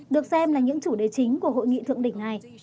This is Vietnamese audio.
được xem là những chủ đề chính của hội nghị thượng đỉnh này